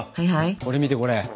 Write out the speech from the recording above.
これ見てこれ。